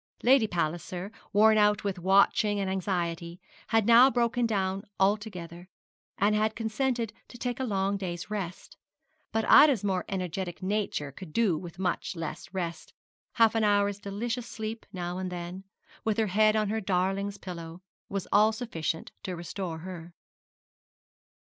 Lady Palliser, worn out with watching and anxiety, had now broken down altogether, and had consented to take a long day's rest; but Ida's more energetic nature could do with much less rest half an hour's delicious sleep now and then, with her head on her darling's pillow, was all sufficient to restore her.